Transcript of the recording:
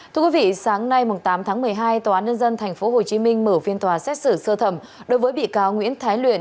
thưa quý vị sáng nay tám tháng một mươi hai tòa án nhân dân tp hcm mở phiên tòa xét xử sơ thẩm đối với bị cáo nguyễn thái luyện